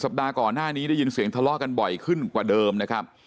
ปัดก่อนหน้านี้ได้ยินเสียงทะเลาะกันบ่อยขึ้นกว่าเดิมนะครับ